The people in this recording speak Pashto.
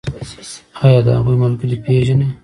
ایا د هغوی ملګري پیژنئ؟